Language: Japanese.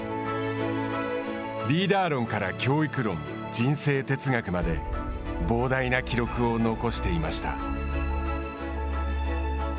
リーダー論から教育論人生哲学まで膨大な記録を残していました。